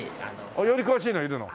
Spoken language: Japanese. より詳しいのいるの？